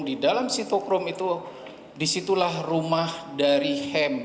di dalam sitokrum itu disitulah rumah dari hem